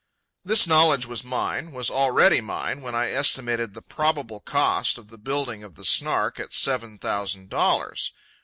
This knowledge was mine, was already mine, when I estimated the probable cost of the building of the Snark at seven thousand dollars.